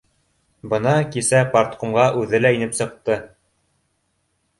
Бына кисә парткомға үҙе лә инеп сыҡты: